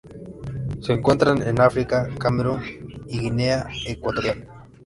Se encuentran en África: Camerún y Guinea Ecuatorial.